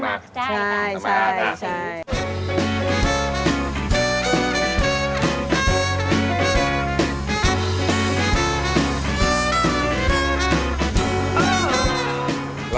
เหลือขนมจีนสุกละได้ไหมครับ